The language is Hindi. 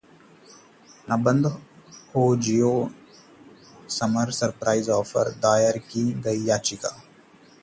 ना बंद हो Jio समर सरप्राइज ऑफर, दायर की गई याचिका